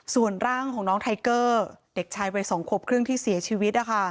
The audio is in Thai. ส่วนร่างของน้องไทเกอร์เด็กชายวัย๒ขวบครึ่งที่เสียชีวิต